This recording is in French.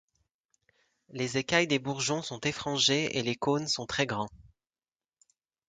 Les écailles des bourgeons sont effrangées et les cônes sont très grands.